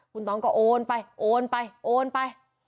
คุณต้องก็โอนไปโอนไปโอนไป